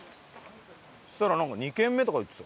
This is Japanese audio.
そしたら２軒目とか言ってた。